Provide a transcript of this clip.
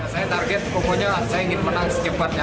saya target pokoknya saya ingin menang secepatnya